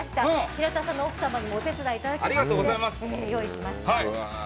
平田さんの奥様にもお手伝いいただいて用意しました。